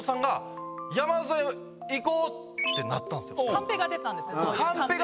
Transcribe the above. カンペが出たんですよ。